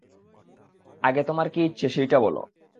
আগে তোমার কী ইচ্ছা সেইটে বলো।